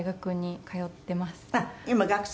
あっ今学生？